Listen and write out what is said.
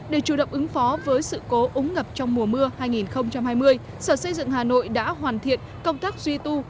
để chủ động ứng phó với sự cố úng ngập trong mùa mưa hai nghìn hai mươi sở xây dựng hà nội đã hoàn thiện công tác duy tu